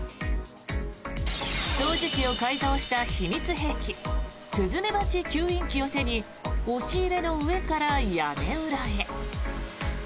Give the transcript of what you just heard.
掃除機を改造した秘密兵器スズメバチ吸引機を手に押し入れの上から屋根裏へ。